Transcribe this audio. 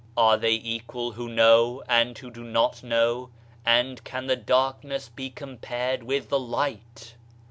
"Are they equal who know and who do not know? And can the darkness be compared with the light?"